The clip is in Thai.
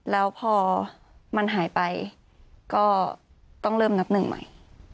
แล้วพอมันหายไปก็ต้องเริ่มนับหนึ่งใหม่